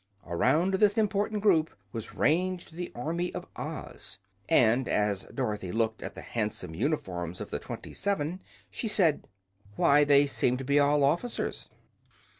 Around this important group was ranged the Army of Oz, and as Dorothy looked at the handsome uniforms of the Twenty Seven she said: "Why, they seem to be all officers."